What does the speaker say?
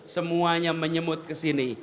semuanya menyemut ke sini